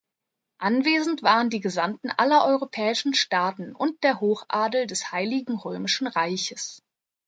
Anwesend waren die Gesandten aller europäischen Staaten und der Hochadel des Heiligen Römischen Reiches.